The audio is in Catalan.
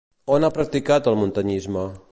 On ha practicat el muntanyisme?